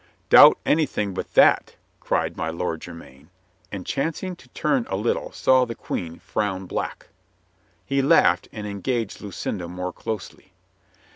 "Doubt anything but that!" cried my Lord Jer myn, and, chancing to turn a little, saw the Queen frown black. He laughed and engaged Lucinda more closely.